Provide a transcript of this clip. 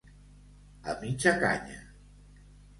A mitja canya.